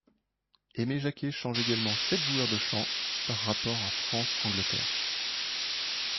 Aimé Jacquet change également sept joueurs de champ par rapport à France-Angleterre.